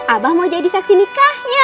abah mau jadi saksi nikahnya